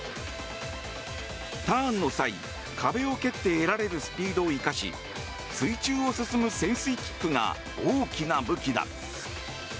ターンの際、壁を蹴って得られるスピードを生かし水中を進む潜水キックが大きな武器だ。